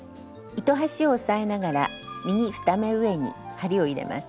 糸端を押さえながら右２目上に針を入れます。